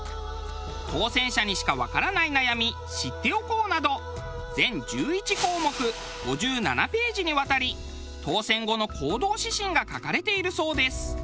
「当せん者にしかわからない悩み知っておこう」など全１１項目５７ページにわたり当せん後の行動指針が書かれているそうです。